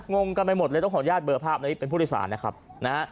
งงกันไปหมดเลยต้องขออนุญาตเบอร์ภาพนี้เป็นผู้โดยสารนะครับนะฮะ